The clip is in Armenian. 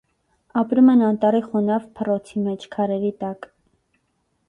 Ապրում են անտառի խոնավ փռոցի մեջ, քարերի տակ։